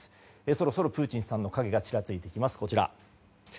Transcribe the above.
そろそろプーチンさんの影がちらついてきます。